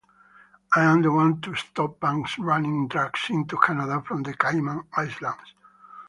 I'm the one to stop banks running drugs into Canada from the Cayman Islands.